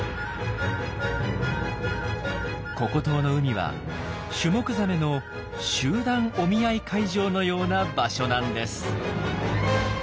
ココ島の海はシュモクザメの集団お見合い会場のような場所なんです。